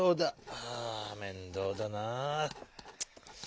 ああ面倒だなぁ！